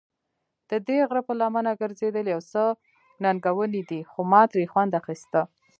ددې غره پر لمنه ګرځېدل یو څه ننګوونکی دی، خو ما ترې خوند اخیسته.